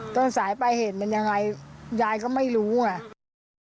ต้นสายปลายเหตุมันยังไงยายก็ไม่รู้ไง